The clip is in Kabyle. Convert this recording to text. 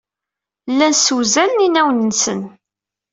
Llan ssewzalen inawen-nsen.